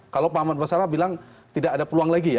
kalau pak ahmad basara bilang tidak ada peluang lagi ya